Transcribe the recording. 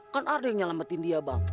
kan ada yang nyelamatin dia bang